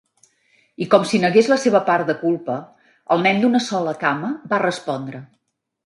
I com si negués la seva part de culpa, el nen d'una sola cama va respondre.